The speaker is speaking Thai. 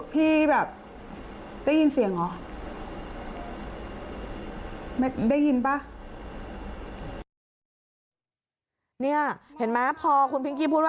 พี่แบบได้ยินเสียงเหรอ